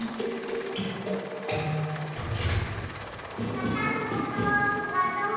ガタンゴトンガタンゴトン。